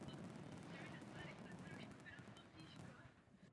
Ostrov je stálým stanovištěm řecké armády.